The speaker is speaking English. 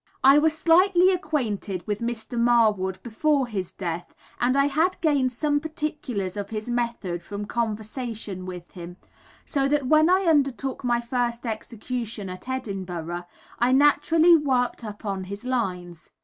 I was slightly acquainted with Mr. Marwood before his death, and I had gained some particulars of his method from conversation with him; so that when I undertook my first execution, at Edinburgh, I naturally worked upon his lines.